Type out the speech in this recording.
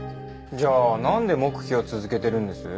じゃあなんで黙秘を続けてるんです？